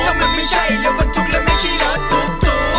ถ้ามันไม่ใช่รถบรรทุกแล้วไม่ใช่รถตุ๊ก